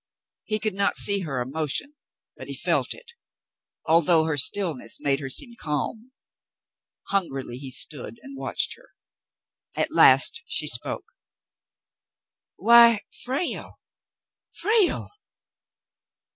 He could not see her emotion, but he felt it, although her stillness made her seem calm. Hungrily he stood and watched her. At last she spoke :— "Why, Frale, Frale!"